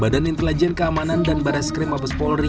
badan intelijen keamanan dan barai skrim mabus polri